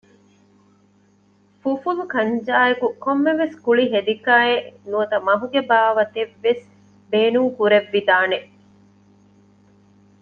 ފުފުލު ކަންޖާއެކު ކޮންމެވެސް ކުޅި ހެދިކާއެއް ނުވަތަ މަހުގެ ބާވަތެއްވެސް ބޭނުން ކުރެއްވި ދާނެ